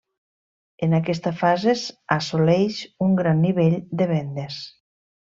En aquesta fase assoleix un gran nivell de vendes.